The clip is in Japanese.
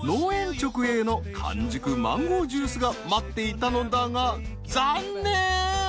直営の完熟マンゴージュースが待っていたのだが残念！